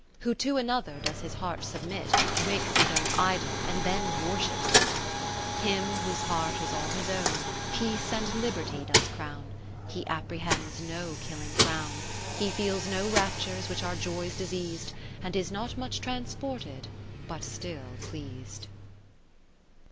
Who to another does his heart submit, Makes his own Idol, and then worships it. lo Him whose heart is all his own. Peace and liberty does crown, He apprehends no killing frown. He feels no raptures which are joys diseas'd. And is not much transported, but still pleas'd.